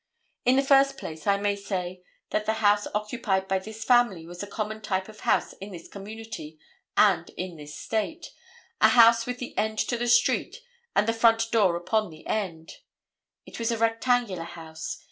In the first place, I may say that the house occupied by this family was a common type of house in this community and in this State, a house with the end to the street and the front door upon the end. It was a rectangular house.